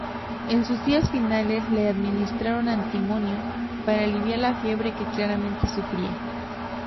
En sus días finales le administraron antimonio para aliviar la fiebre que claramente sufría.